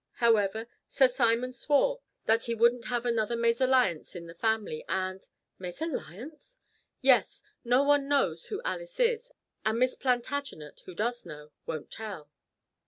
However, Sir Simon swore that he wouldn't have another mésalliance in the family and " "Mésalliance?" "Yes! No one knows who Alice is, and Miss Plantagenet who does know won't tell."